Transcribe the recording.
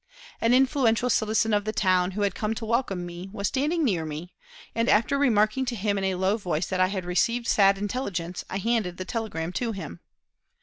An influential citizen of the town, who had come to welcome me, was standing near me, and, after remarking to him in a low voice that I had received sad intelligence, I handed the telegram to him.